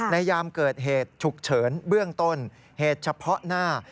ยามเกิดเหตุฉุกเฉินเบื้องต้นเหตุเฉพาะหน้า